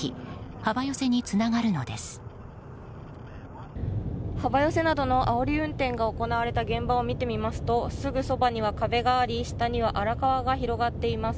幅寄せなどのあおり運転が行われた現場を見てみますとすぐそばには壁があり下には荒川が広がっています。